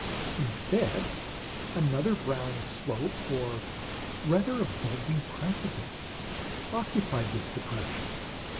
Instead, another brown slope, or rather a bulging precipice, occupied this depression.